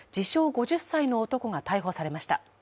５０歳の男が逮捕されました。